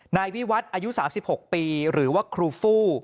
นายวิวัฒน์อายุ๓๖ปีหรือว่าครูฟู่